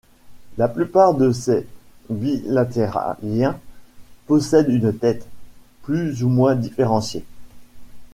La plupart de ces bilatériens possèdent une tête, plus ou moins différenciée.